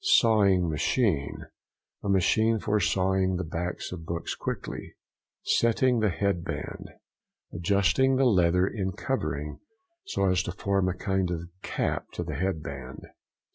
SAWING MACHINE.—A machine for sawing the backs of books quickly. SETTING THE HEAD BAND.—Adjusting the leather in covering so as to form a kind of cap to the head band.